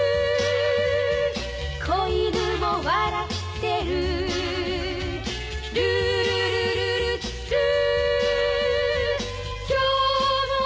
「小犬も笑ってる」「ルールルルルルー」